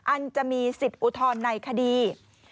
อันจะมีสิทธิ์อุทธรณ์ในคดี